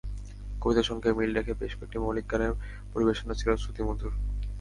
কবিতার সঙ্গে মিল রেখে বেশ কয়েকটি মৌলিক গানের পরিবেশনা ছিল শ্রুতিমধুর।